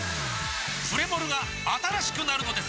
プレモルが新しくなるのです！